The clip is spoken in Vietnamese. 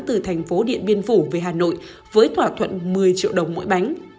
từ thành phố điện biên phủ về hà nội với thỏa thuận một mươi triệu đồng mỗi bánh